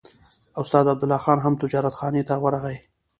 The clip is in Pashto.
استاد عبدالله خان هم تجارتخانې ته راغی.